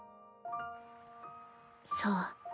そう。